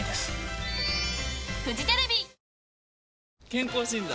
健康診断？